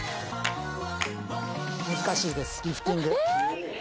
難しいですリフティング。